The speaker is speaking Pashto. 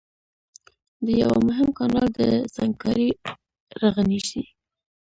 د يوه مهم کانال د سنګکارۍ رغنيزي